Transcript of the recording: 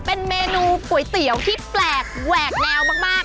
เป็นเมนูก๋วยเตี๋ยวที่แปลกแหวกแนวมาก